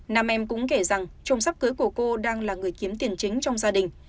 nam em cũng kể rằng trôm sắp cưới của cô đang là người kiếm tiền chính trong gia đình